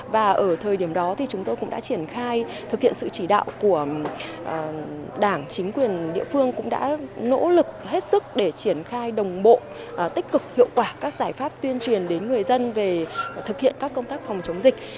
và ở thời điểm đó thì chúng tôi cũng đã triển khai thực hiện sự chỉ đạo của đảng chính quyền địa phương cũng đã nỗ lực hết sức để triển khai đồng bộ tích cực hiệu quả các giải pháp tuyên truyền đến người dân về thực hiện các công tác phòng chống dịch